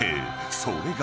［それが］